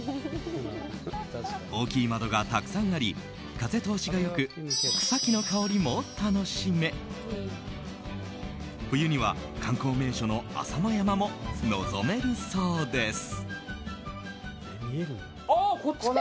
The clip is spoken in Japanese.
大きい窓がたくさんあり風通しが良く草木の香りも楽しめ冬には観光名所の浅間山も望めるそうです。